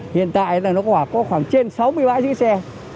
hiện tại là nó có khoảng trên sáu mươi bãi giữ xe